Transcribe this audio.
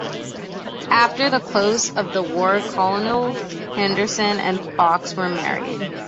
After the close of the war Colonel Henderson and Fox were married.